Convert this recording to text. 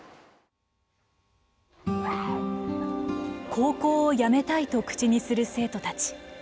「高校をやめたい」と口にする生徒たち。